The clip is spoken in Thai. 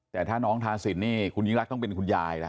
แต่ถ้าน้องทาสินนี่คุณยิ่งรักต้องเป็นคุณยายล่ะ